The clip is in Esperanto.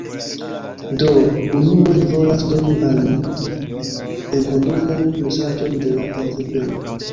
Do, unue li volas doni al mi... enkondukan mesaĝon de la entrepreno.